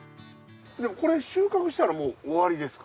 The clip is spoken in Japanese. これ収穫したら終わりですか？